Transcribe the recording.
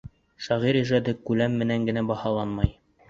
Шағир ижады күләм менән генә баһаланмай.